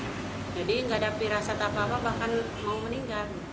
jadi nggak ada pirasat apa apa bahkan mau meninggal